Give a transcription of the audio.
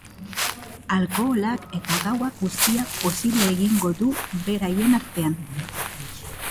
Alkoholak eta gauak guztia posible egingo du beraien artean.